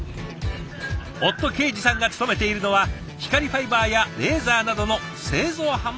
夫恵司さんが勤めているのは光ファイバーやレーザーなどの製造販売会社。